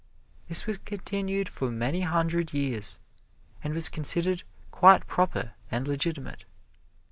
This was continued for many hundred years, and was considered quite proper and legitimate.